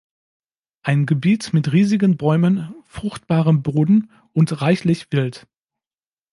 Ein Gebiet mit riesigen Bäumen, fruchtbarem Boden und reichlich Wild.